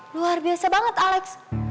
luar biasa banget alex